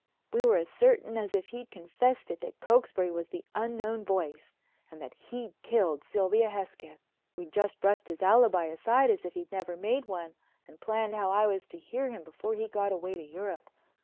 We were as certain as if he'd confessed it that Cokesbury was the Unknown Voice and that he'd killed Sylvia Hesketh. We just brushed his alibi aside as if he'd never made one and planned how I was to hear him before he got away to Europe.